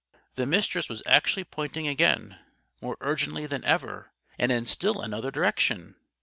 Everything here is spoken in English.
The Mistress was actually pointing again more urgently than ever and in still another direction.